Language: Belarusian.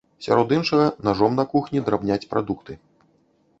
Сярод іншага, нажом на кухні драбняць прадукты.